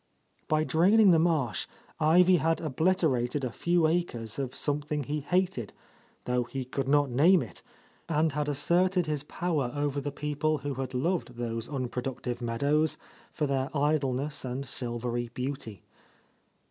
By draining the marsh Ivy had obliterated a few acres of something he hated, though he could not name it, and had asserted his power over the people who had loved those un productive meadows for their idleness and silvery beauty.